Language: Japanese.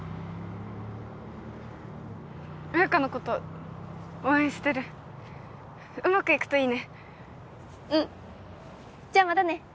彩花のこと応援してるうまくいくといいねうんじゃあまたね